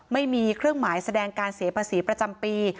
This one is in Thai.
ไม่มีเครื่องหมายแสดงการเสียภาษีประจำปี